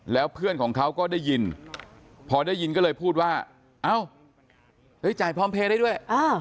แล้วเพื่อนของเขาก็ได้ยินพอได้ยินก็เลยพูดว่าเอ้าจ่ายพร้อมเพลย์ได้ด้วย